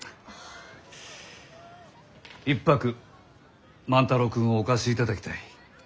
一泊万太郎君をお貸しいただきたい。